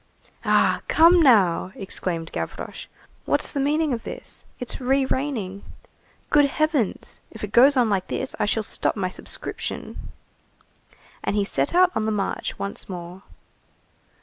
"Ah, come now!" exclaimed Gavroche, "what's the meaning of this? It's re raining! Good Heavens, if it goes on like this, I shall stop my subscription." And he set out on the march once more.